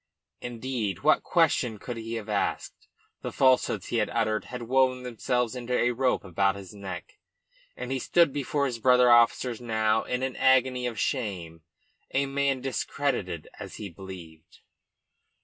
Indeed, what question could he have asked? The falsehoods he had uttered had woven themselves into a rope about his neck, and he stood before his brother officers now in an agony of shame, a man discredited, as he believed.